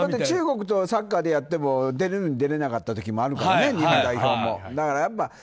中国とサッカーでやっても出るに出れなかった時もあるからね、日本代表も。